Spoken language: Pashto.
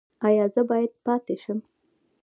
ایا زه باید پاتې شم؟